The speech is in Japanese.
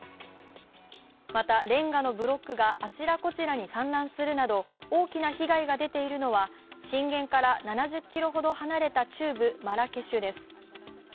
また、れんがのブロックがあちらこちらに散乱するなど、大きな被害が出ているのは震源から７０ｋｍほど離れた中部マラケシュです。